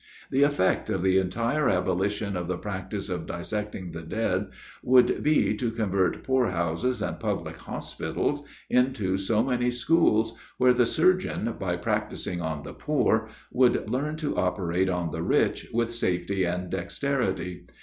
The effect of the entire abolition of the practice of dissecting the dead, would be, to convert poor houses and public hospitals into so many schools where the surgeon, by practising on the poor, would learn to operate on the rich with safety and dexterity.